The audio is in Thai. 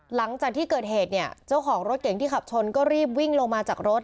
หลังจากที่เกิดเหตุเนี่ยเจ้าของรถเก่งที่ขับชนก็รีบวิ่งลงมาจากรถ